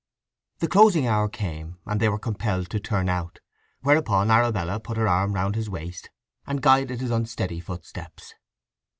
The closing hour came, and they were compelled to turn out; whereupon Arabella put her arm round his waist, and guided his unsteady footsteps.